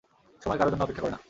সময় কারো জন্যে অপেক্ষা করে না।